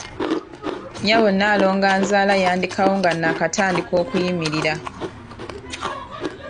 Nnyabo nnaalongo anzaala yandekawo nga n'akatandika okuyimirira.